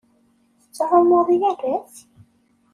Tettɛummuḍ yal ass?